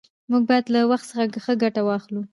موږ باید له وخت نه ښه ګټه واخلو